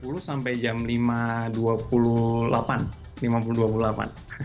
dari jam lima tiga puluh sampai jam lima dua puluh delapan